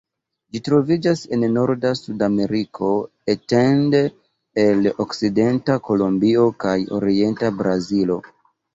Ĝi troviĝas en norda Sudameriko, etende el okcidenta Kolombio kaj orienta Brazilo.